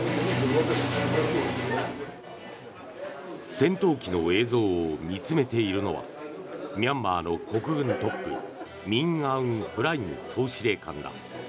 戦闘機の映像を見つめているのはミャンマーの国軍トップミン・アウン・フライン総司令官だ。